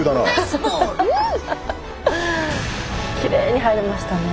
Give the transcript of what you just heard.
きれいに入りましたね！